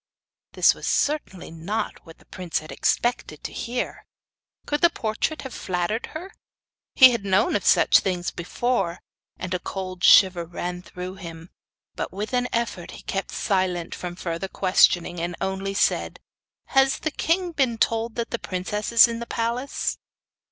This was certainly not what the prince had expected to hear. Could the portrait have flattered her? He had known of such things before, and a cold shiver ran through him; but with an effort he kept silent from further questioning, and only said: 'Has the king been told that the princess is in the palace?